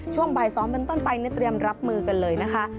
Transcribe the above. ช่วงบ่าย๒เป็นต้นไปเตรียมรับมือกันเลยนะคะ